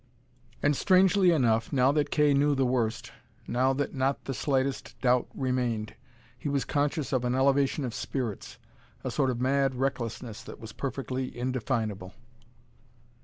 And, strangely enough, now that Kay knew the worst, now that not the slightest doubt remained, he was conscious of an elevation of spirits, a sort of mad recklessness that was perfectly indefinable.